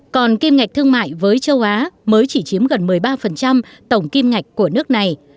còn kim ngạch thương mại với châu á mới chỉ chiếm gần một mươi ba tổng kim ngạch của nước này